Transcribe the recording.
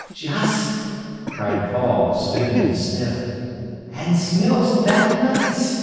"Just!" cried Paul, stooping to sniff. "And smells that nice!